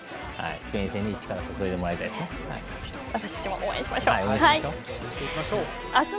スペイン戦に力を注いでもらいたいです。